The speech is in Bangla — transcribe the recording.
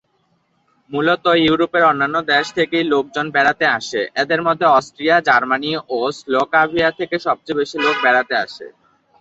মূলত ইউরোপের অন্যান্য দেশ থেকেই লোকজন বেড়াতে আসে; এদের মধ্যে অস্ট্রিয়া, জার্মানি ও স্লোভাকিয়া থেকে সবচেয়ে বেশি লোক বেড়াতে আসে।